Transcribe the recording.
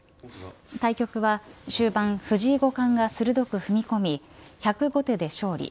対局は終盤藤井五冠が鋭く踏み込み１０５手で勝利。